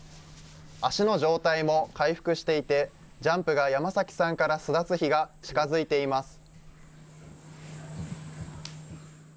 足の状態も回復していて、ジャンプが山崎さんから巣立つ日が近づいています。